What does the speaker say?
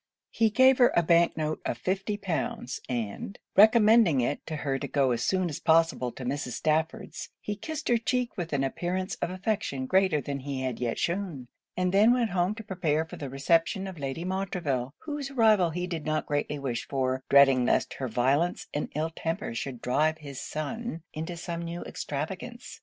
He gave her a bank note of fifty pounds; and recommending it to her to go as soon as possible to Mrs. Stafford's, he kissed her cheek with an appearance of affection greater than he had yet shewn, and then went home to prepare for the reception of Lady Montreville, whose arrival he did not greatly wish for; dreading lest her violence and ill temper should drive his son into some new extravagance.